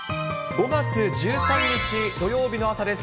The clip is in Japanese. ５月１３日土曜日の朝です。